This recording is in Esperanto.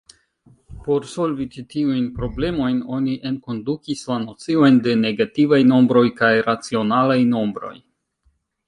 Por solvi ĉi-tiujn problemojn oni enkondukis la nociojn de negativaj nombroj kaj racionalaj nombroj.